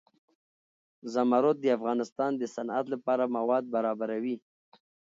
زمرد د افغانستان د صنعت لپاره مواد برابروي.